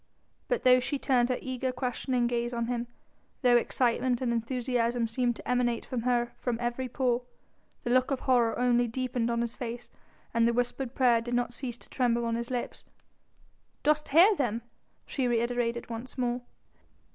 But though she turned her eager, questioning gaze on him, though excitement and enthusiasm seemed to emanate from her from every pore, the look of horror only deepened on his face and the whispered prayer did not cease to tremble on his lips. "Dost hear them?" she reiterated once more.